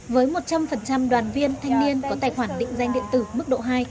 với một trăm linh đoàn viên thanh niên có tài khoản định danh điện tử mức độ hai